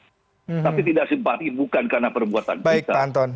tapi tidak simpati bukan karena perbuatan kita